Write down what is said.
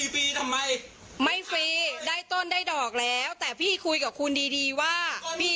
พี่เออคุณไม่ให้พี่กู้แรบโรยฟีฟีทำไม